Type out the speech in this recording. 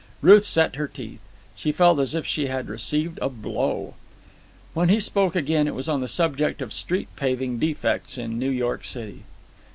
Ruth set her teeth. She felt as if she had received a blow. When he spoke again it was on the subject of street paving defects in New York City.